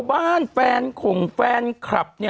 บ้านแฟนของแฟนคลับ